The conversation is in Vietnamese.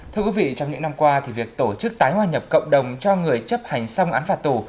thưa quý vị trong những năm qua thì việc tổ chức tái hòa nhập cộng đồng cho người chấp hành xong án phạt tù